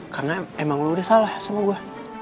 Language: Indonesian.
karena emang lo udah salah sama gue